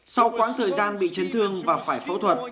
sau quãng thời gian bị chấn thương và phải phẫu thuật